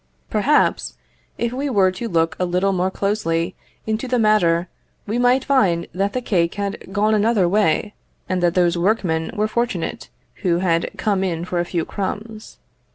Perhaps, if we were to look a little more closely into the matter, we might find that the cake had gone another way, and that those workmen were fortunate who had come in for a few crumbs.